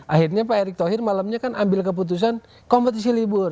akhirnya pak erick thohir malamnya kan ambil keputusan kompetisi libur